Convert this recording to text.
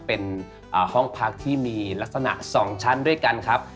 เป็นห้องพักที่มีลักษณะ๒ชั้นด้วยกันครับ